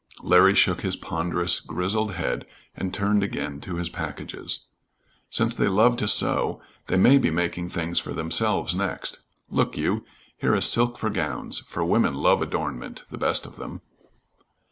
Larry shook his ponderous, grizzled head and turned again to his packages. "Since they love to sew, they may be making things for themselves next. Look you! Here is silk for gowns, for women love adornment, the best of them."